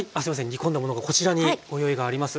煮込んだものがこちらにご用意があります。